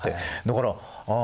だからあ